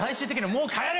もう帰れ！